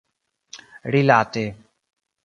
rilate